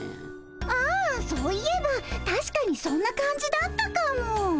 ああそういえばたしかにそんな感じだったかも。